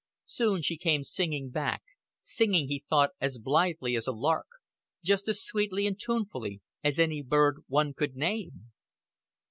Soon she came singing back singing, he thought, as blithely as a lark; just as sweetly and tunefully as any bird one could name.